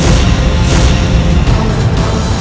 aku akan menang